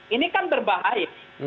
ini kan berbahaya